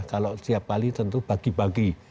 kalau setiap kali tentu bagi bagi